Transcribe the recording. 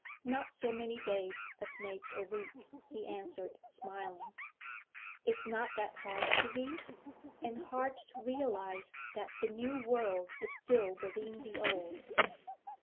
'Not so many days as make a week,' he answered, smiling. 'Is not that hard to believe? And hard to realise that the new world is still within the old?'